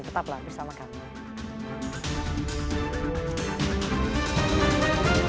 tetaplah bersama kami